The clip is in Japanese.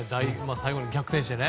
最後に逆転して。